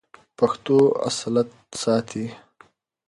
پښتو اصالت ساتي.